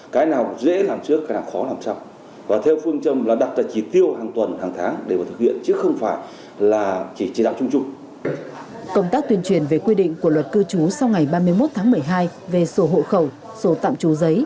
công tác tuyên truyền về quy định của luật cư trú sau ngày ba mươi một tháng một mươi hai về số hộ khẩu sổ tạm trú giấy